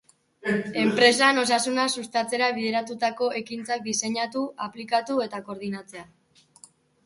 Enpresan osasuna sustatzera bideratutako ekintzak diseinatu, aplikatu eta koordinatzea.